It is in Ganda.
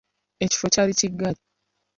Ekifo kyali kiggale.